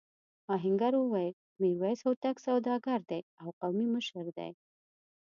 آهنګر وویل میرويس هوتک سوداګر دی او قومي مشر دی.